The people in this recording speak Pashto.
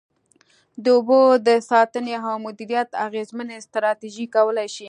د اوبو د ساتنې او مدیریت اغیزمنې ستراتیژۍ کولای شي.